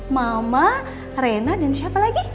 mama arena dan siapa lagi